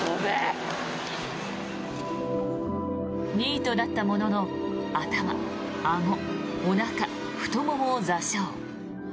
２位となったものの頭、あご、おなか太ももを挫傷。